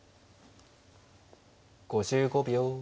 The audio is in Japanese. ５５秒。